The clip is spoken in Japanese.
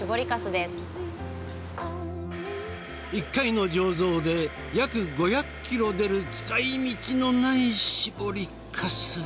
１回の醸造で約５００キロ出る使いみちのない搾りかす。